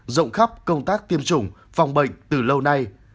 rộng khắp công tác tiêm chủng phòng bệnh từ lâu nay